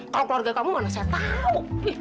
kalau keluarga kamu mana saya tahu